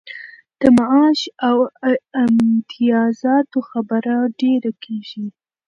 د معاش او امتیازاتو خبره ډېره کیږي.